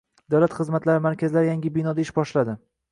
Davlat xizmatlari markazlari yangi binoda ish boshladi